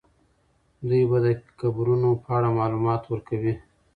دوی به د قبرونو په اړه معلومات ورکوي.